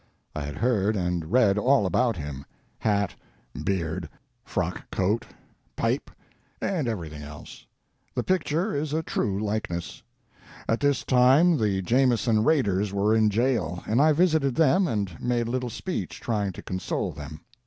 I had heard and read all about him hat, beard, frock coat, pipe, and everything else. The picture is a true likeness. At this time the Jameson raiders were in jail, and I visited them and made a little speech trying to console them.